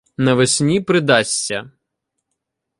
Навесні придасться.